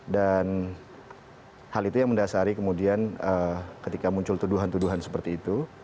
dan hal itu yang mendasari kemudian ketika muncul tuduhan tuduhan seperti itu